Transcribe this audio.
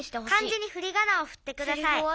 「漢字にふりがなをふってください」。